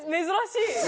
珍しい。